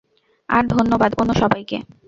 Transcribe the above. আর ধন্যবাদ, অন্য সবাইকে।